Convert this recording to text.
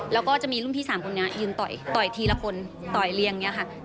แล้วก็จะมีรุ่นพี่๓คนนี้ยืนต่อยทีละคนต่อยเรียงอย่างนี้ค่ะ